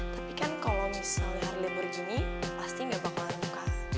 tapi kan kalau misalnya hari libur gini pasti gak bakalan buka